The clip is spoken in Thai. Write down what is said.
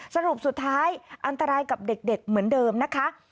สรุปสุดท้ายอันตรายกับเด็กเหมือนเดิมนะคะ